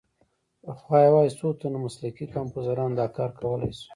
پخوا یوازې څو تنو مسلکي کمپوزرانو دا کار کولای شو.